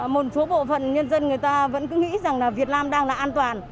một số bộ phận nhân dân người ta vẫn cứ nghĩ rằng là việt nam đang là an toàn